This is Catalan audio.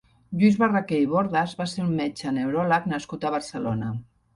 Lluís Barraquer i Bordas va ser un metge neuròleg nascut a Barcelona.